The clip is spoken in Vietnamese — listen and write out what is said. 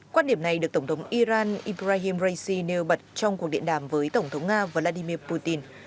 quan điểm này được tổng thống iran ibrahim raisi nêu bật trong cuộc điện đàm với tổng thống nga vladimir putin